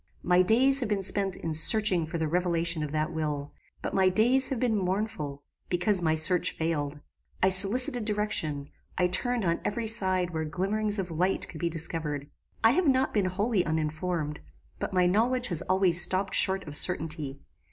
"My days have been spent in searching for the revelation of that will; but my days have been mournful, because my search failed. I solicited direction: I turned on every side where glimmerings of light could be discovered. I have not been wholly uninformed; but my knowledge has always stopped short of certainty.